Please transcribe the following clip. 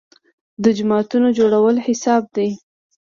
د جوماتونو جوړول هم حساب دي.